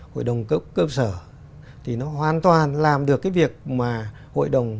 hội đồng cấp cơ sở thì nó hoàn toàn làm được cái việc mà hội đồng